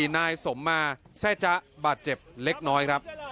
นายสมมาแซ่จ๊ะบาดเจ็บเล็กน้อยครับ